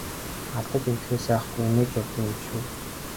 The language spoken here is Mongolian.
Алдаж эндэхээс айхгүй инээж явдаг юм шүү!